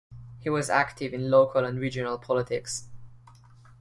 He was active in local and regional politics.